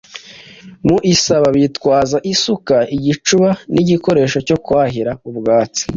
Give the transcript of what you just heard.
Mu isaba bitwaza isuka, igicuba n’igikoresho cyo kwahira ubwatsi